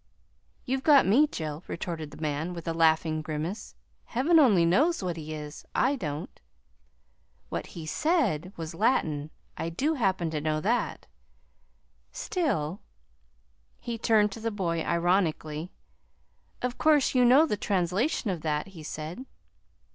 "You've got me, Jill," retorted the man, with a laughing grimace. "Heaven only knows what he is I don't. What he SAID was Latin; I do happen to know that. Still" he turned to the boy ironically "of course you know the translation of that," he said.